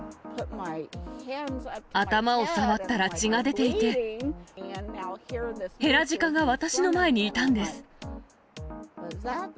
頭を触ったら血が出ていて、ヘラジカが私の前にいたんです。